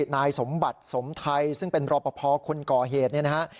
นายสมบัติสมไทยซึ่งเป็นรอปภคนก่อเหตุเนี่ยนะฮะ